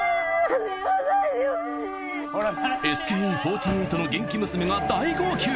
ＳＫＥ４８の元気娘が大号泣。